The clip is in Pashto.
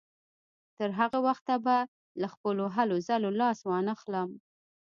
تر هغه وخته به له خپلو هلو ځلو لاس وانهخلم.